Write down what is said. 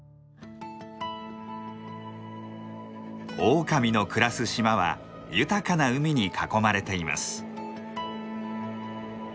オオカミの暮らす島は豊かな海に囲まれています。